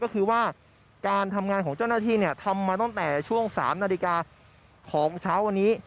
ก็คือว่าการทำงานของเจ้าหน้าที่ทำมาตั้งแต่ช่วง๓นาฬิกาของเช้าวันนี้